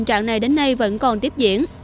tình trạng này đến nay vẫn còn tiếp diễn